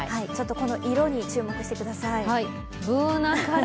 この色に注目してください。